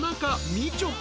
みちょぱ］